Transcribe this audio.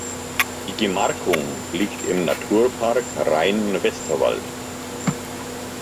Die Gemarkung liegt im Naturpark Rhein-Westerwald.